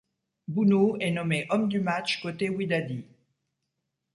Bounou est nommé homme du match côté Wydadi.